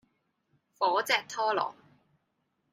火炙托羅